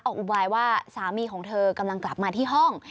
อุบายว่าสามีของเธอกำลังกลับมาที่ห้อง